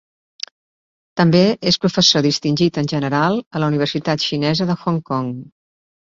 També és Professor Distingit en General a la Universitat Xinesa de Hong Kong.